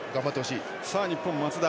日本、松田